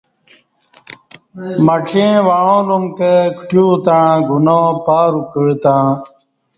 مڄیں وعاں ل م کہ کٹیو تݩع گناپا رک کعہ تں